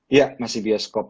iya masih bioskop